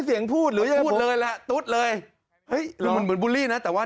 พูดหรือยังพูดเลยแหละตุ๊ดเลยเฮ้ยมันเหมือนบูลลี่นะแต่ว่า